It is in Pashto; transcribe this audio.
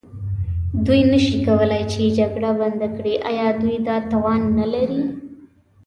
دوی نه شي کولای چې جګړه بنده کړي، ایا دوی دا توان نه لري؟